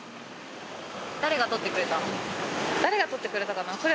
誰が撮ってくれたかな？